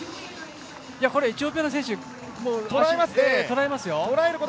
エチオピアの選手、捉えますよ